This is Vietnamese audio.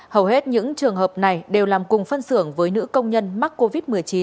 hầu hết những trường hợp này đều làm cùng phân xưởng với nữ công nhân mắc covid một mươi chín